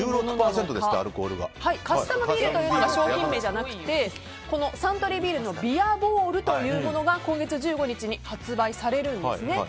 カスタムビールというのが商品名じゃなくてサントリービールのビアボールというものが今月１５日に発売されるんですね。